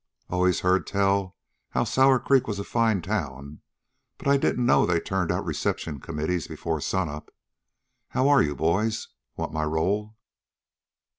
"Always heard tell how Sour Creek was a fine town but I didn't know they turned out reception committees before sunup. How are you, boys? Want my roll?"